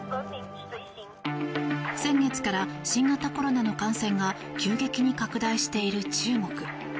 先月から、新型コロナの感染が急激に拡大している中国。